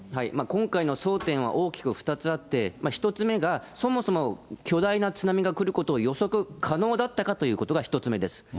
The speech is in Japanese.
今回の争点は大きく２つあって、１つ目が、そもそも巨大な津波が来ることを予測可能だったかということが１つ目です。